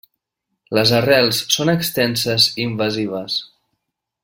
Les arrels són extenses i invasives.